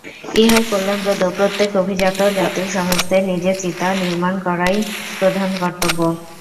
ইহাই কল্যাণপ্রদ, প্রত্যেক অভিজাত জাতির স্বহস্তে নিজের চিতা নির্মাণ করাই প্রধান কর্তব্য।